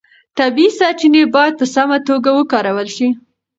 طبیعي سرچینې باید په سمه توګه وکارول شي.